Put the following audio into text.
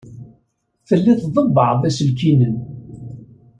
Telliḍ tḍebbɛeḍ iselkinen.